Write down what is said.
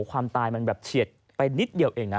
ความตายมันแบบเฉียดไปนิดเดียวเองนะ